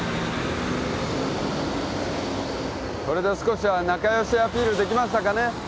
これで少しは仲よしアピールできましたかね？